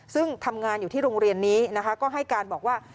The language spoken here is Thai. ซึ่งทำงานอยู่ที่โรงเรียนนี้นะคะก็ให้การบอกว่า